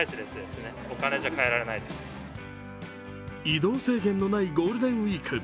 移動制限のないゴールデンウイーク。